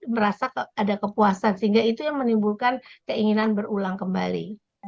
merasa ada kepuasan sehingga itu yang menimbulkan keinginan berulang kembali